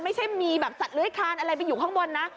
ไม่ใช่มีแบบสัตว์เลื้อยคานอะไรไปอยู่ข้างบนนะ